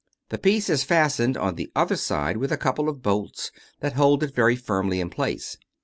The piece is fastened on the other side with a couple of bolts that hold it very firmly in place.